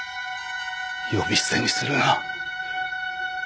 呼び捨てにするな。